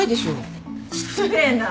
失礼な。